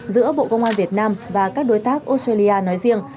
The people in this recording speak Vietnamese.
giữa bộ công an việt nam và các đối tác australia nói riêng